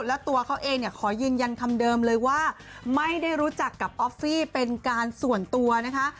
แล้วตัวเขาเองเนี่ยขอยืนยันคำเดิมเลยว่าไม่ได้รู้จักกับออฟฟี่เป็นการส่วนตัวนะคะ